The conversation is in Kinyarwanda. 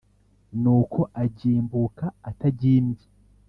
Nuko agimbuka atagimbye